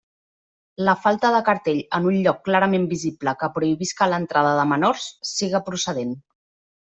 La falta de cartell en un lloc clarament visible que prohibisca l'entrada de menors, siga procedent.